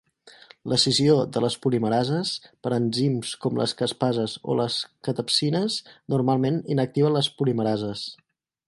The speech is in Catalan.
L'escissió de les polimerases per enzims com les caspases o les catepsines, normalment inactiva les polimerases.